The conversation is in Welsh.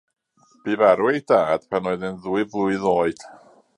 Bu farw ei dad pan oedd e'n ddwy flwydd oed.